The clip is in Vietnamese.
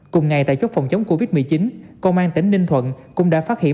cùng ngày tại chốt phòng chống covid một mươi chín công an tỉnh ninh thuận cũng đã phát hiện